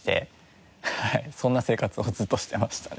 そんな生活をずっとしてましたね。